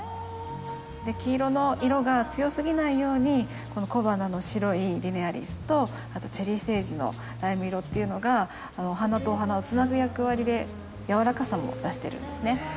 黄色の色が強すぎないようにこの小花の白いリネアリスとあとチェリーセージのライム色っていうのがお花とお花をつなぐ役割でやわらかさも出してるんですね。